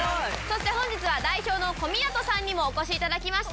本日は代表の小湊さんにもお越しいただきました。